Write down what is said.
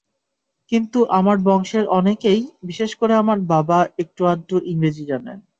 কিন্তু আমার বংশের অনেকেই, বিশেষ করে আমার বাবা একটু-আধটু ইংরেজি জানেন।